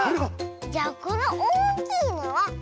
じゃこのおおきいのはスイね。